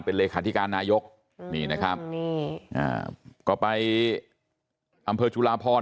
เป็นเลขาธิการนายกนี่นะครับนี่อ่าก็ไปอำเภอจุลาพร